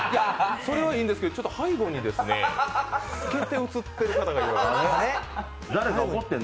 それはいいんですけど、背後に透けて写ってる方がいる。